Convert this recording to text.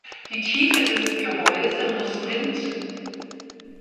Die Tiefe der Gehäuse muss mind.